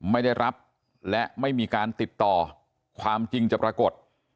ไม่ได้รับและไม่มีการติดต่อความจริงจะปรากฏ